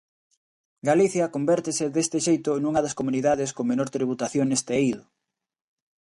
Galicia convértese deste xeito nunha das comunidades con menor tributación neste eido.